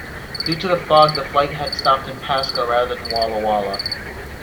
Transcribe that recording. Due to fog the flight had stopped in Pasco rather than Walla Walla.